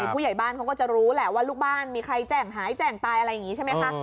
ผู้ใหญ่บ้านเขาก็จะรู้แหละว่าลูกบ้านมีใครแจ้งหายแจ้งตายอะไรอย่างนี้ใช่ไหมคะ